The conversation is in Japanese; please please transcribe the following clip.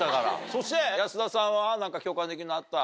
そして保田さんは何か共感できるのあった？